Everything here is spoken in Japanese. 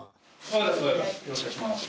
よろしくお願いします。